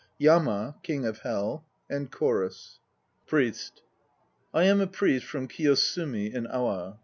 YAMA, KING OF HELL. CHORUS. PRIEST. I am a priest from Kiyosumi in Awa.